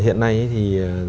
hiện nay thì